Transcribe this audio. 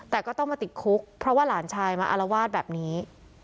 แต่ก็ต้องมาติดคุกเพราะว่าหลานชายมาอารวาสแบบนี้